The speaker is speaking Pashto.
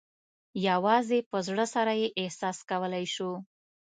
یوازې په زړه سره یې احساس کولای شو.